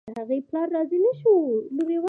د هغې پلار راضي شو.